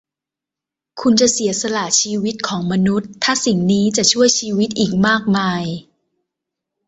คุณจะเสียสละชีวิตของมนุษย์ถ้าสิ่งนี้จะช่วยชีวิตอีกมากมาย ?